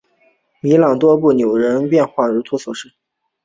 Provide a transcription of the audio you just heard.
米朗多布尔纽纳人口变化图示